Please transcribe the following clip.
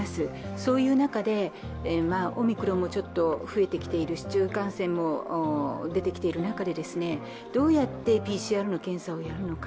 そういう中でオミクロンもちょっと増えてきているし、市中感染も出てきている中でどうやってＰＣＲ検査をやるのか。